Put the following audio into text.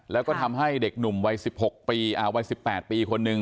แล้วก็ทำให้เด็กหนุ่มวัย๑๖ปีวัย๑๘ปีคนนึง